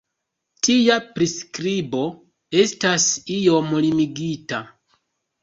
Tia priskribo estas iom limigita.